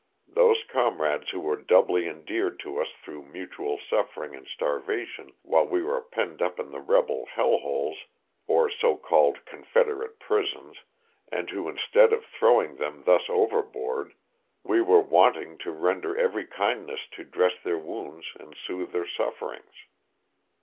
Those comrades who were doubly endeared to us through mutual suffering and starvation while we were penned up in the rebel h s, or so called confederate prisons, and who instead of throwing them thus overboard, we were wanting to render every kindness to, dress their wounds and soothe their sufferings.